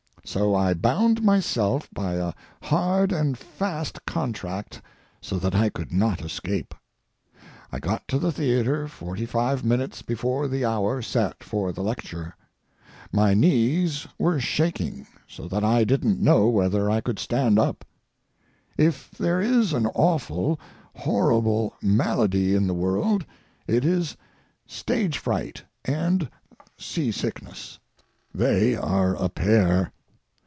So I bound myself by a hard and fast contract so that I could not escape. I got to the theatre forty five minutes before the hour set for the lecture. My knees were shaking so that I didn't know whether I could stand up. If there is an awful, horrible malady in the world, it is stage fright and seasickness. They are a pair.